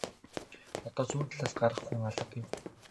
Одоо зүүн талаас гарах хүн алга гэв.